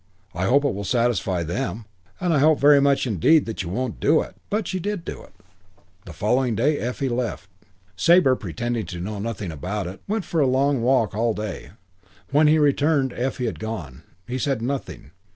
"I hope it will satisfy them. And I hope very much indeed that you won't do it." IX But she did do it. On the following day Effie left. Sabre, pretending to know nothing about it, went for a long walk all day. When he returned Effie had gone. He said nothing.